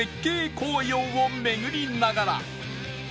紅葉を巡りながら